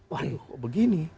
waduh kok begini